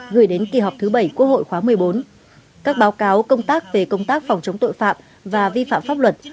gửi đến kỳ họp thứ bảy quốc hội khóa một mươi bốn các báo cáo công tác về công tác phòng chống tội phạm và vi phạm pháp luật